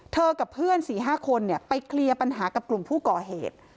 กับเพื่อน๔๕คนไปเคลียร์ปัญหากับกลุ่มผู้ก่อเหตุ